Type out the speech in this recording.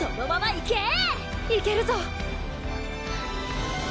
いけるぞ！